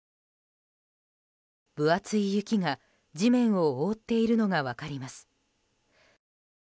分厚い雪が地面を覆っているのが分かります。